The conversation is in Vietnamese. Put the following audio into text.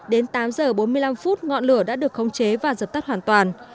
đến tám giờ bốn mươi năm phút ngọn lửa đã được khống chế và dập tắt hoàn toàn